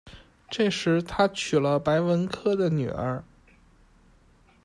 这时，他娶了白文珂的女儿。